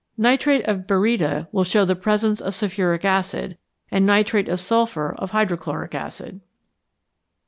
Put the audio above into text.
Nitrate of baryta will show the presence of sulphuric acid, and nitrate of silver of hydrochloric acid.